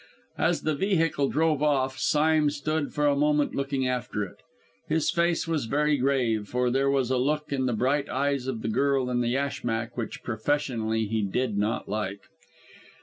As the vehicle drove off, Sime stood for a moment looking after it. His face was very grave, for there was a look in the bright eyes of the girl in the yashmak which, professionally, he did not like.